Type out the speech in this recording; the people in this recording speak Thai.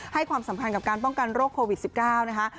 ความสำคัญกับการป้องกันโรคโควิด๑๙นะคะ